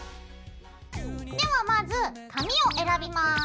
ではまず紙を選びます。